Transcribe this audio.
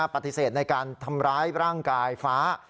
ปฏิเสธในการทำร้ายร่างกายฟ้า